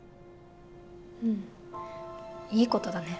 うんいいことだね。